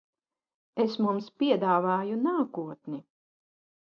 Es mums piedāvāju nākotni.